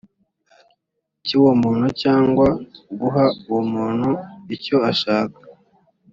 cy uwo muntu cyangwa guha uwo muntu icyo ashaka